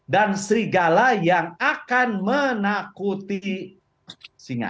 dan serigala yang akan menakuti singa